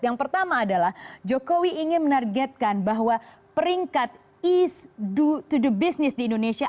yang pertama adalah jokowi ingin menargetkan bahwa peringkat east to do business di indonesia